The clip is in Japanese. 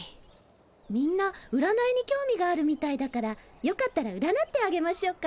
みんなうらないに興味があるみたいだからよかったらうらなってあげましょうか？